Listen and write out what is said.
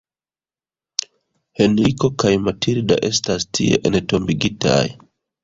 Henriko kaj Matilda estas tie entombigitaj.